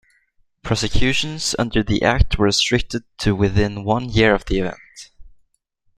Prosecutions under the act were restricted to within one year of the event.